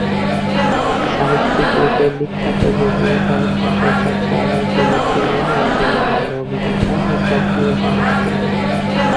সাহিত্যিক রুপে বিখ্যাত যদিও সাহিত্য চর্চা ছাড়াও তিনি ছিলেন একজন ভাল অভিনেতা ও সক্রিয় সমাজকর্মী।